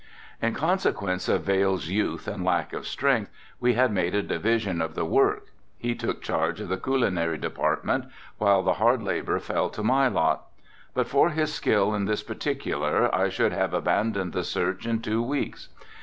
In consequence of Vail's youth and lack of strength we had made a division of the work, he took charge of the culinary department while the hard labor fell to my lot. But for his skill in this particular I should have abandoned the search in two weeks.